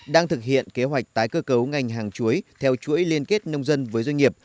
đang thực hiện kế hoạch tái cơ cấu ngành hàng chuối theo chuỗi liên kết nông dân với doanh nghiệp